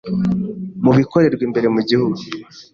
Mu bikorerwa imbere mu gihugu